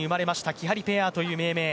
きはりペアという命名。